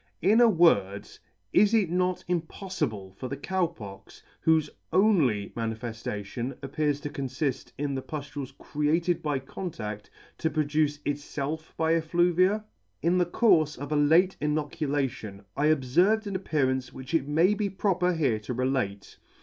In a word, is it not impoffible for the Cow Pox, whofe only man i foliation appears to confift in the puflules created by contaEl, to produce itfelf by effluvia ? In the courfe of a late inoculation, I obferved an appearance which it may be proper here to relate.